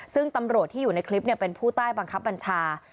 ซึ่งตำรวจที่อยู่ในคลิปเป็นผู้ใต้บังคับบัญชา